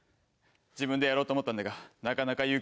自分でやろうと思ったんだがなかなか勇気が出なくて。